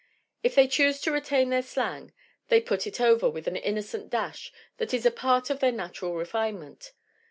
If they choose to retain their slang, they 'put it over' with an innocent dash that is a part of their natural refine ment.